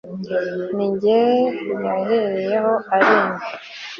ni jye yahereyeho arema